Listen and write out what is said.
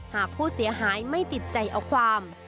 หากผู้เสียหายไม่ติดใจเอาความ